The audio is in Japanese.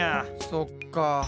そっか。